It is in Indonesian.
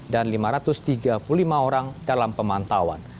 dan lima ratus tiga puluh lima orang dalam pemantauan